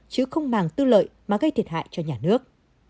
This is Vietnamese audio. chứ không màng tư lợi mà gây thiệt hại cho nhà nước